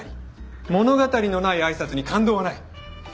物語のない挨拶に感動はない。